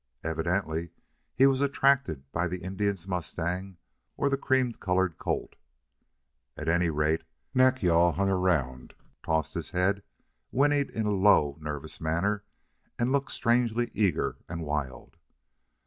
Evidently he was attracted by the Indian's mustang or the cream colored colt. At any rate, Nack yal hung around, tossed his head, whinnied in a low, nervous manner, and looked strangely eager and wild.